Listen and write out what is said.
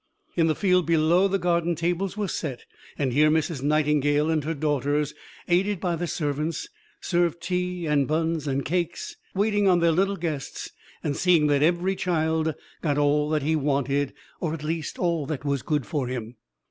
In the field below the garden tables were set, and here Mrs. Nightingale and her daughters, aided by the servants, served tea and buns and cakes, waiting on their little guests, and seeing that every child got all he wanted or at least all that was good for him.